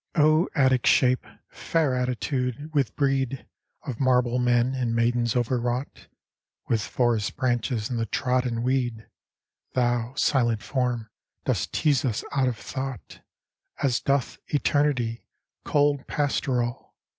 O Attic shape ! Fair attitude ! with brede Of marble men and maidens overwrought, With forest branches and the trodden weed; Thou, silent form, dost tease us out of thought As doth eternity: Cold Pastoral!